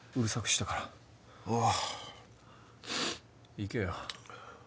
行けよ。